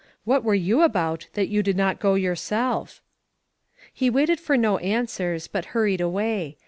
What were you about that you did not go yourself?" He waited for no answers but hurried away.